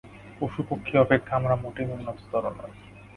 পশু-পক্ষী অপেক্ষা আমরা মোটেই উন্নততর নই।